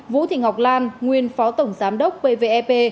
vũ thị ngọc lan nguyên phó tổng giám đốc pvep